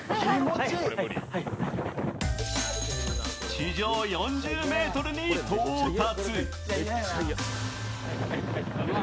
地上４０ｍに到達。